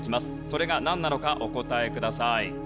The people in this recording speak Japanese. それがなんなのかお答えください。